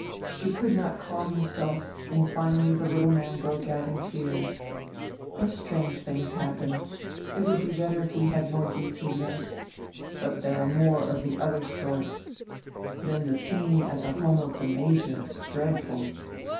He could not calm himself and finally the little man broke out in tears. What strange tilings happen! It would be better if we had more Gies hiiblers. But there are more of the other sort — Then the scene at the home of the major — dreadful.